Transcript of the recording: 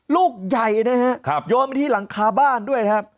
ลูกใหญ่นะฮะโยนไปที่หลังคาบ้านด้วยนะครับ